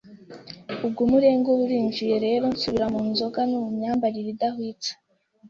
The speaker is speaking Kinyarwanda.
ubwo umurengwe uba urinjiye rero nsubira mu nzoga no mu myambarire idahwitse,